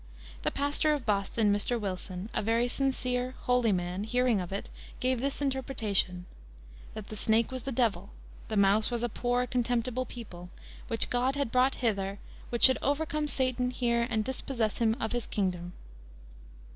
The pastor of Boston, Mr. Wilson, a very sincere, holy man, hearing of it, gave this interpretation: that the snake was the devil, the mouse was a poor, contemptible people, which God had brought hither, which should overcome Satan here and dispossess him of his kingdom."